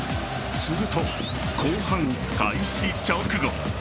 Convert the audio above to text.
すると後半開始直後。